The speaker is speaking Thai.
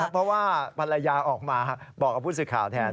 เพราะว่าภรรยาออกมาบอกกับผู้สื่อข่าวแทน